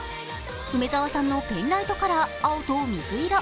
梅澤さんのペンライトカラー、青と水色。